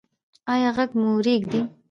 ایا غږ مو ریږدي؟